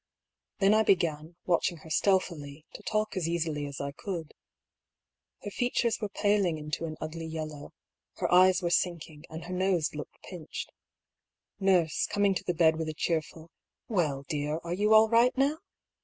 151 Then I began, watching her stealthily, to talk as easily as I couldl Her features were paling into an ngly yellow, her eyes were sinking, and her nose looked pinched. Nurse, coming to thte bed with a cheerful " Well, dear, are you all right now?"